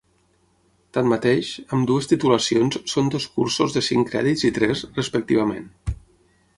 Tanmateix, ambdues titulacions són dos cursos de cinc crèdits i tres, respectivament.